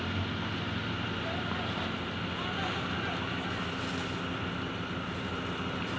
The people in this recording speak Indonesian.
kepala humas dirjen pemasyarakatan by kap generasi